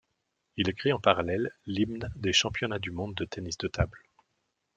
Il écrit en parallèle l'hymne des championnats du monde de tennis de table.